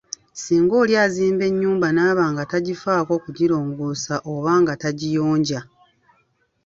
Singa oli azimba enyumba, n'aba nga tagifaako kugirongoosa oba nga tagiyonja.